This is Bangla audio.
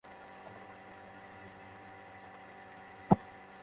সামান্য বৃষ্টি হলেই বিদ্যালয়ে পানি জমে যায়, টিনের চালা দিয়ে পানি পড়ে।